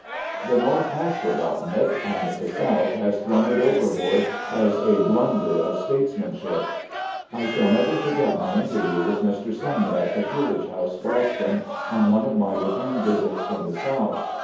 The North has forgotten it, and the South has thrown it overboard as a "blunder of statesmanship" I shall never forget my interview with Mr. Sum ner at the Coolidge House, Boston, on one of my return visits from the South.